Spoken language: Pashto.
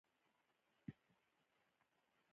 یخ د تودوخې په زیاتېدو اوبه کېږي.